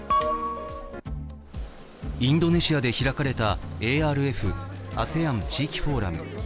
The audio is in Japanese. インドネシアで開かれたＡＲＦ＝ＡＳＥＡＮ地域フォーラム。